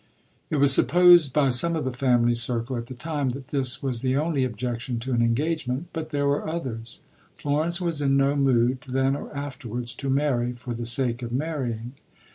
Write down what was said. It was supposed by some of the family circle at the time that this was the only objection to an engagement; but there were others. Florence was in no mood, then or afterwards, to marry for the sake of marrying.